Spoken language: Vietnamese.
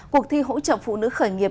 cuộc thi hỗ trợ phụ nữ khởi nghiệp